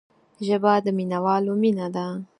ژبه د مینوالو مینه ده